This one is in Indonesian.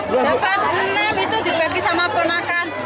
dapat enam itu dibagi sama ponakan